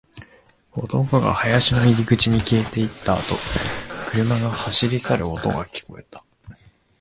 男が林の入り口に消えていったあと、車が走り去る音が聞こえた